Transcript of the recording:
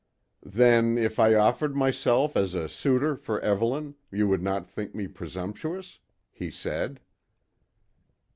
"Then if I offered myself as a suitor for Evelyn, you would not think me presumptuous?" he said.